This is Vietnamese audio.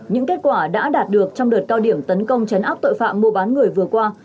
những kết quả đã đạt được trong đợt cao điểm tấn công chấn áp tội phạm mua bán người vừa qua